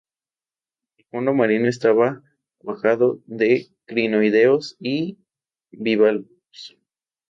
El fondo marino estaba cuajado de crinoideos y bivalvos.